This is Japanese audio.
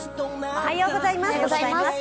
おはようございます。